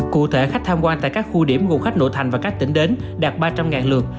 cụ thể khách tham quan tại các khu điểm gồm khách nội thành và các tỉnh đến đạt ba trăm linh lượt